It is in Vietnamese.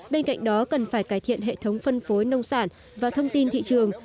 bên cạnh đó cần phải cải thiện hệ thống phân phối nông sản và thông tin thị trường